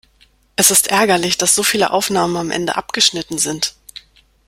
Es ist ärgerlich, dass so viele Aufnahmen am Ende abgeschnitten sind.